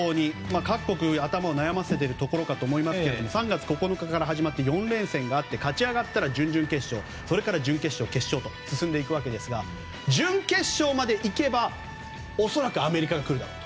各国頭を悩ませているところかと思いますが３月９日から始まって４連戦があって勝ち上がったらそれから準決勝、決勝と進んでいくわけですが準決勝までいけば恐らくアメリカがくるだろうと。